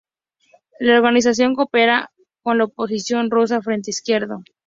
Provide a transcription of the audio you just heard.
La organización coopera con la oposición rusa Frente Izquierdo.